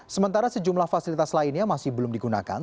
sementara sejumlah fasilitas lainnya masih belum digunakan